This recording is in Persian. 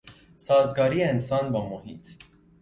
سازگاری انسان با محیط